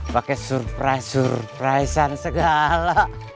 pakai surprise surprise segala